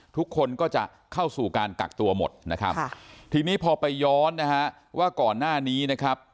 ทุกคนก็จะเข้าสู่การกักตัวหมดนะครับทีนี้พอไปย้อนนะฮะว่าก่อนหน้านี้นะครับ